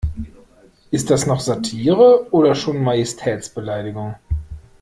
Ist das noch Satire oder schon Majestätsbeleidigung?